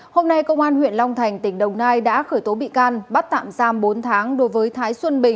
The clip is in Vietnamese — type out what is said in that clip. hôm nay công an huyện long thành tỉnh đồng nai đã khởi tố bị can bắt tạm giam bốn tháng đối với thái xuân bình